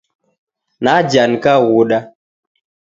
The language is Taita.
Naja nikaghuda